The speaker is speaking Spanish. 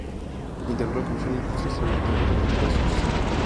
Integró la comisión de Industrias y la de Trabajo y Legislación Social.